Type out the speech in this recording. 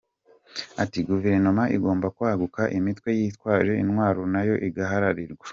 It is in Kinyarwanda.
Ati “Guverinoma igomba kwaguka imitwe yitwaje intwaro nayo igahararirwa.